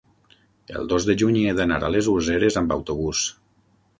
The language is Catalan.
El dos de juny he d'anar a les Useres amb autobús.